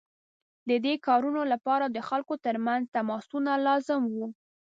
د دې کارونو لپاره د خلکو ترمنځ تماسونه لازم وو.